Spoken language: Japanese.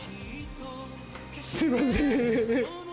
すいません。